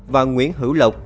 và nguyễn hữu lộc